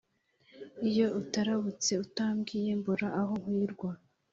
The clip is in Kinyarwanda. iyo utarabutse utambwiye mbura aho nkwirwa